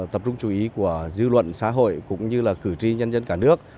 tập trung chú ý của dư luận xã hội cũng như là cử tri nhân dân cả nước